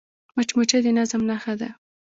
مچمچۍ د نظم نښه ده